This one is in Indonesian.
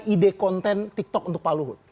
ide konten tiktok untuk pak luhut